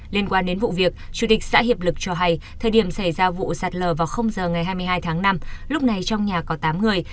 liên quan đến vụ việc chủ tịch xã hiệp lực cho hay thời điểm xảy ra vụ sạt lở vào giờ ngày hai mươi hai tháng năm lúc này trong nhà có tám người